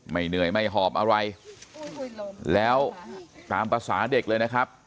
เหนื่อยไม่หอบอะไรแล้วตามภาษาเด็กเลยนะครับ